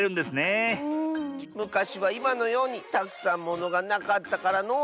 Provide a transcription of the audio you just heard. むかしはいまのようにたくさんものがなかったからのう。